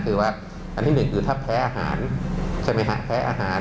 คือว่าอันที่หนึ่งคือถ้าแพ้อาหารใช่ไหมครับ